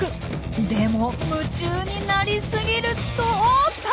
でも夢中になりすぎるとおっと！